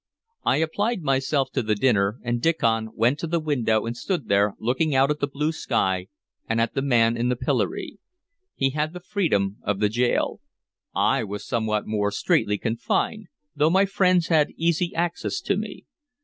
I applied myself to the dinner, and Diccon went to the window, and stood there looking out at the blue sky and at the man in the pillory. He had the freedom of the gaol. I was somewhat more straitly confined, though my friends had easy access to me.